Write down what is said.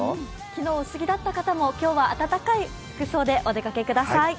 昨日、薄着だった方も今日は暖かい服装でお出かけください。